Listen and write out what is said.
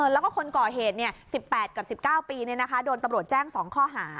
แล้วก็คนก่อเหตุ๑๘กับ๑๙ปีโดนตำรวจแจ้ง๒ข้อหา